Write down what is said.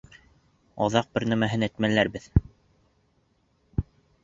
Аҙаҡ бер нәмәһен әтмәләрбеҙ!